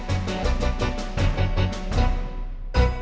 aduh sakit mak